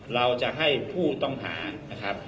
เราจะให้ผู้ต้องหา